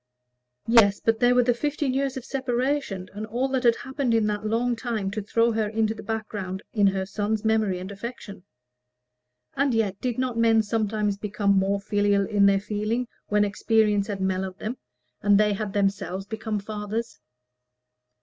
Yes; but there were the fifteen years of separation, and all that had happened in that long time to throw her into the background of her son's memory and affection. And yet did not men sometimes become more filial in their feeling when experience had mellowed them, and they had themselves become fathers?